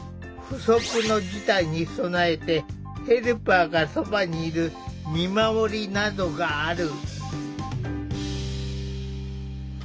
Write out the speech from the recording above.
不測の事態に備えてヘルパーがそばにいる「見守り」などがある。